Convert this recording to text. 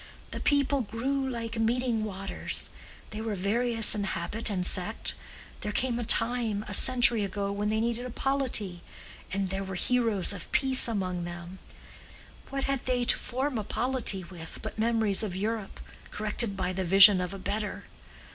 The people grew like meeting waters—they were various in habit and sect—there came a time, a century ago, when they needed a polity, and there were heroes of peace among them. What had they to form a polity with but memories of Europe, corrected by the vision of a better?